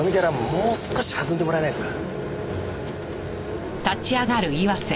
もう少し弾んでもらえないですか？